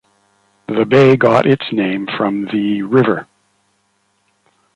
The bay got its name from the river.